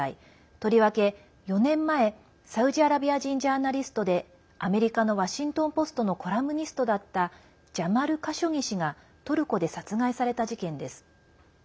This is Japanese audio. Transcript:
とりわけ４年前サウジアラビア人ジャーナリストでアメリカのワシントン・ポストのコラムニストだったジャマル・カショギ氏がトルコで殺害された事件です。